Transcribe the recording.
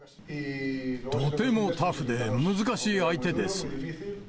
とてもタフで難しい相手です。